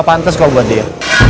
pantes kau buat dia